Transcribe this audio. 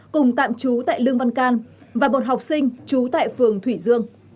cùng tạm trú tại lương văn can và một học sinh trú tại phường thủy dương